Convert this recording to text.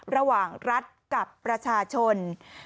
ระหว่างรัฐกับประชาชน